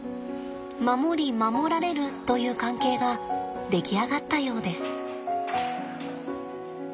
守り守られるという関係が出来上がったようです。